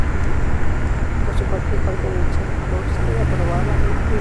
Por su parte, el padre de Chaikovski aprobaba el enlace.